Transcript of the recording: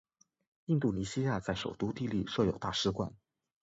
印度尼西亚在首都帝力设有大使馆。